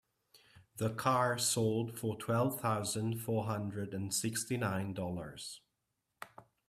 The car sold for twelve thousand four hundred and sixty nine Dollars.